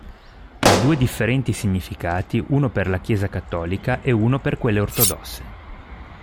Ha due differenti significati, uno per la Chiesa cattolica, e uno per quelle ortodosse.